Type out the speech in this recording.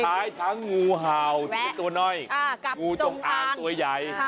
สุดท้ายทั้งงูเห่านิดตัวน้อยงูจงอ้างตัวใหญ่